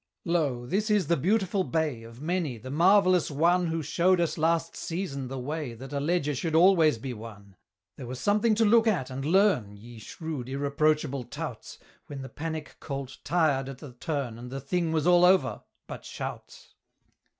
Lo! this is the beautiful bay Of many, the marvellous one Who showed us last season the way That a Leger should always be won. There was something to look at and learn, Ye shrewd irreproachable "touts", When the Panic colt tired at the turn, And the thing was all over but shouts!